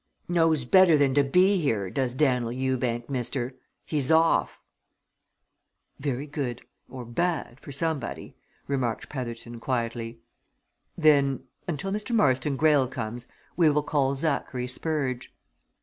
"Knows better than to be here, does Dan'l Ewbank, mister! He's off!" "Very good or bad for somebody," remarked Petherton, quietly. "Then until Mr. Marston Greyle comes we will call Zachary Spurge."